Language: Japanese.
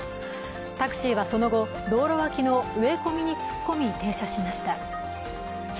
タクシーはその後、道路脇の植え込みに突っ込み停車しました。